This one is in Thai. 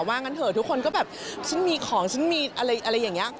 งั้นเถอะทุกคนก็แบบฉันมีของฉันมีอะไรอย่างนี้